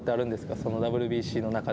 そのＷＢＣの中で。